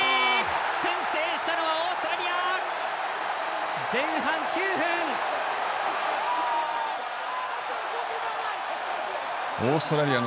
先制したのはオーストラリア！